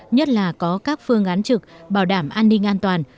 nhất là có các phương án trực bảo đảm an ninh an toàn